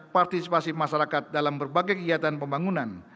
partisipasi masyarakat dalam berbagai kegiatan pembangunan